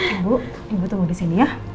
ibu ibu tunggu disini ya